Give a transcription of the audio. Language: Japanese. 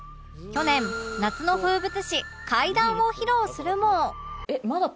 去年夏の風物詩怪談を披露するも